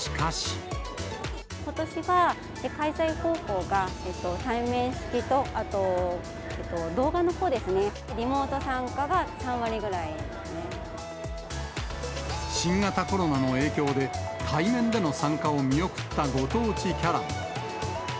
ことしは、開催方法が対面式とあと、動画のほうですね、リモート参加が３割新型コロナの影響で、対面での参加を見送ったご当地キャラも。